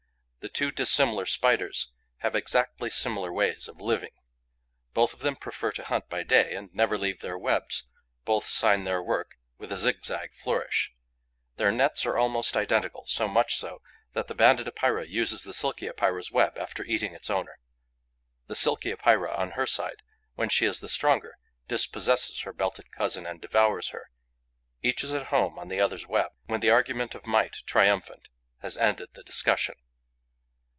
The two dissimilar Spiders have exactly similar ways of living. Both of them prefer to hunt by day and never leave their webs; both sign their work with a zigzag flourish. Their nets are almost identical, so much so that the Banded Epeira uses the Silky Epeira's web after eating its owner. The Silky Epeira, on her side, when she is the stronger, dispossesses her belted cousin and devours her. Each is at home on the other's web, when the argument of might triumphant has ended the discussion.